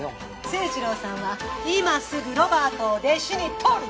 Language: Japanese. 清次郎さんは今すぐロバートを弟子にとる！